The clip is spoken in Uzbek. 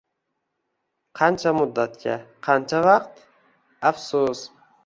Qancha muddatga; qancha vaqt? 🤬 Afsus